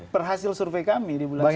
perhasil survei kami di bulan juli